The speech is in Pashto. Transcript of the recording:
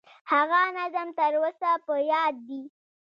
هغه نظم تر اوسه په یاد دي.